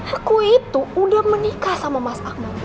aku itu udah menikah sama mas akmal